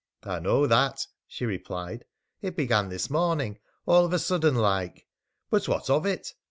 "I know that," she replied. "It began this morning, all of a sudden like. But what of it?